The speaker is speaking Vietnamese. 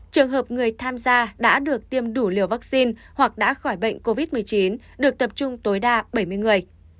trường hợp người tham gia đã được tiêm đủ liều vaccine hoặc đã khỏi bệnh covid một mươi chín được tập trung tối đa bảy mươi người